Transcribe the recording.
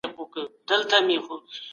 نوښتګر کسان باید وهڅول سي.